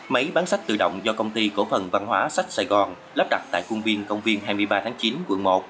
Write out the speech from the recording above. máy bán sách tự động do công ty cổ phần văn hóa sách sài gòn lắp đặt tại cung viên công viên hai mươi ba tháng chín quận một